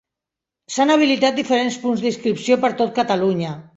S'han habilitat diferents punts d'inscripció per tot Catalunya.